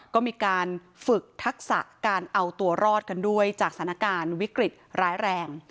ก็มีการฝึกทักษะการเอาตัวรอดกันด้วยจากสถานการณ์วิกฤตร้ายแรง